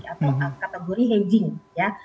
atau kategori hedging ya